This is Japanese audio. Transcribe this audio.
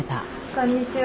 こんにちは。